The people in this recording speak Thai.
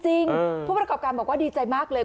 ผู้ประกอบการบอกว่าดีใจมากเลย